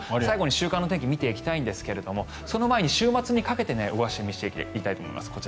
最後に週間天気を見ていきたいんですがその前に週末にかけて動かしていきたいと思います。